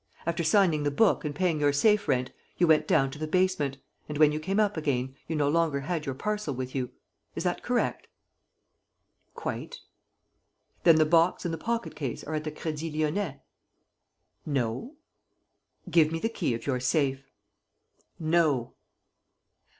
After signing the book and paying your safe rent, you went down to the basement; and, when you came up again, you no longer had your parcel with you. Is that correct?" "Quite." "Then the box and the pocket case are at the Crédit Lyonnais?" "No." "Give me the key of your safe." "No."